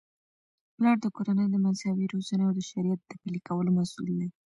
پلار د کورنی د مذهبي روزنې او د شریعت د پلي کولو مسؤل دی.